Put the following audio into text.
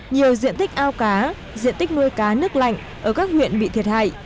nhiều diện tích ao cá diện tích nuôi cá nước lạnh ở các huyện bị thiệt hại